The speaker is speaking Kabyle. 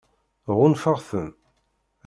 Ɣunfaɣ-ten.